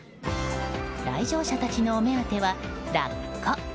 来場者たちのお目当てはラッコ。